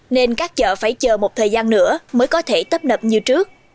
nên các chợ phải chờ một thời gian nữa mới có thể tấp nập như trước